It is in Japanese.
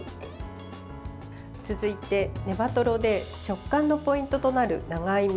続いて、ネバとろで食感のポイントとなる長芋